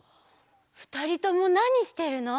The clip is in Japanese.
ふたりともなにしてるの？